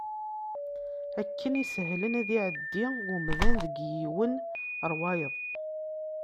Akken isehlen ad iɛeddi umdan deg yiwen ɣer wayeḍ.